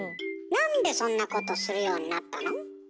なんでそんなことするようになったの？